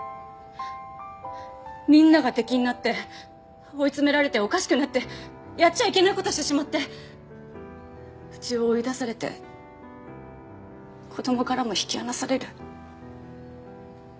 みんなが敵になって追い詰められておかしくなってやっちゃいけない事してしまってうちを追い出されて子供からも引き離される。